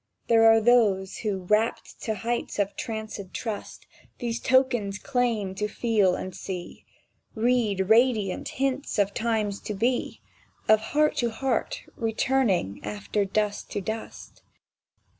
—There are who, rapt to heights of trancéd trust, These tokens claim to feel and see, Read radiant hints of times to be— Of heart to heart returning after dust to dust.